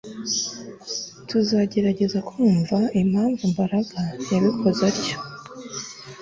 Tuzagerageza kumenya impamvu Mbaraga yabikoze atyo